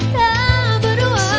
kuyakin kau tahu